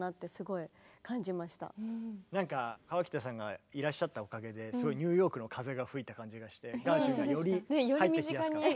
河北さんがいらっしゃったおかげですごいニューヨークの風が吹いた感じがしてガーシュウィンがより入ってきやすかった。